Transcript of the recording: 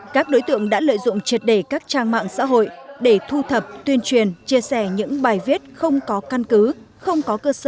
các đối tượng đã lợi dụng triệt đề các trang mạng xã hội để thu thập tuyên truyền chia sẻ những bài viết không có khả năng